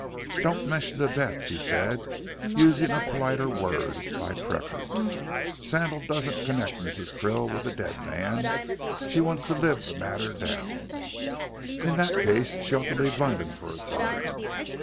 "Don't mention the death," he said, using a politer word by preference. "Sandal doesn't connect Mrs. Krill with the dead man. She wants to live the matter down." "In that case she ought to leave London for a time."